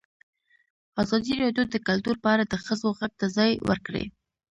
ازادي راډیو د کلتور په اړه د ښځو غږ ته ځای ورکړی.